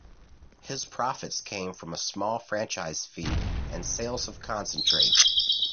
His profits came from a small franchise fee and sales of concentrate.